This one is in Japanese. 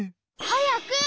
はやく！